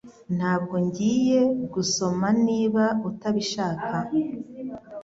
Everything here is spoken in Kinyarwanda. Ntabwo ngiye kugusoma niba utabishaka